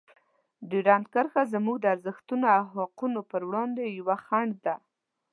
ډیورنډ کرښه زموږ د ارزښتونو او حقونو په وړاندې یوه خنډ ده.